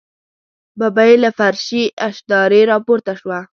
ببۍ له فرشي اشدارې راپورته شوه.